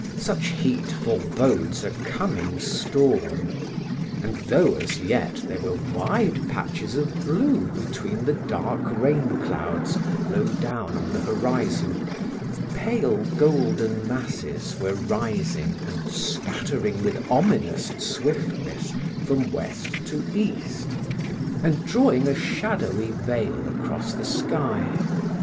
Such heat forebodes a coming storm; and though as yet there were wide patches of blue between the dark rain clouds low down on the horizon, pale golden masses were rising and scattering with ominous swiftness from west to east, and drawing a shadowy veil across the sky.